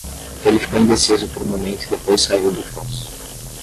Ele ficou indeciso por um momento e depois saiu do fosso.